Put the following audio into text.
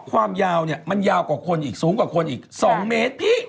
ความยาวเนี่ยมันยาวกว่าคนอีกสูงกว่าคนอีก๒เมตรพี่